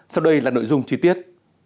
sau đây là nội dung chi tiết